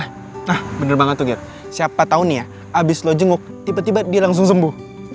nah bener banget tuh gir siapa tahu nih ya abis lo jenguk tiba tiba dia langsung sembuh